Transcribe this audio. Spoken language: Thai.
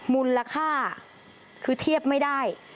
มูลค่าคือเทียบไม่ได้